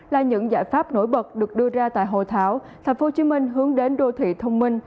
là những giải pháp nổi bật được đưa ra tại hội thảo tp hcm hướng đến đô thị thông minh